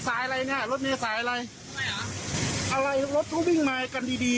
สายอะไรเนี่ยรถมีสายอะไรอะไรทุ่มรถจะวิ่งล่ายกันดี